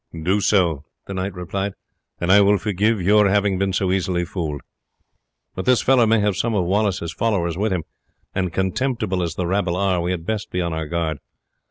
"Do so," the knight replied, "and I will forgive your having been so easily fooled. But this fellow may have some of Wallace's followers with him, and contemptible as the rabble are, we had best be on our guard.